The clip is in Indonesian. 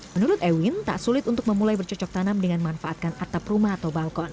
menurut ewin tak sulit untuk memulai bercocok tanam dengan manfaatkan atap rumahnya